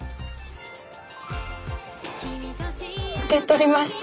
受け取りました。